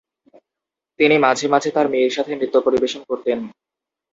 তিনি মাঝে মাঝে তার মেয়ের সাথে নৃত্য পরিবেশন করতেন।